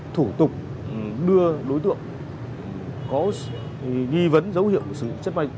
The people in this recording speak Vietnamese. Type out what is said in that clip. thủ tục đưa đối tượng có nghi vấn dấu hiệu của sự chất ma túy